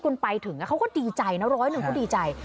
คุณไปถึงเขาก็ดีใจนะร้อยหนึ่งเขาดีใจ